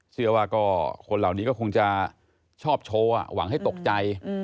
เชื่อว่าก็คนเหล่านี้ก็คงจะชอบโชว์หวังให้ตกใจ